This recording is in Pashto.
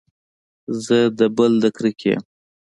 زه د بل د کرکې يم.